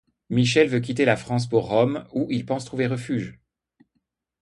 Michel veut quitter la France pour Rome, où il pense trouver refuge.